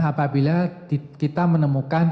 apabila kita menemukan